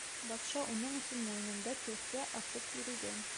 Батша уның өсөн муйынында кәсә аҫып йөрөгән.